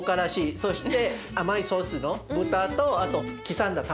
そして甘いソースの豚とあと刻んだ卵。